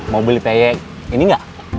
mau beli peyek ini gak